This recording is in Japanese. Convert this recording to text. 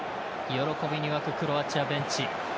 喜びに沸くクロアチアベンチ。